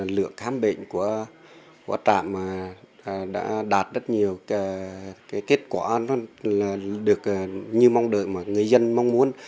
lượng khám bệnh của trạm đã đạt rất nhiều kết quả được như mong đợi mà người dân mong muốn